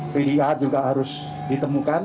pda juga harus ditemukan